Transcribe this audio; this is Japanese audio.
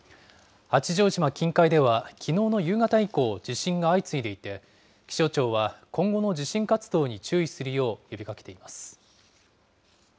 八丈島近海ではきのうの夕方以降、地震が相次いでいて、気象庁は、今後の地震活動に注意するよう呼びかけています。